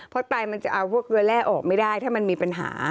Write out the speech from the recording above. เพราะไตมันจะเอาพวกเรือแร่ออกไม่ได้ถ้ามันมีปัญหา